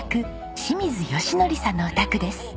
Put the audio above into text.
清水良徳さんのお宅です。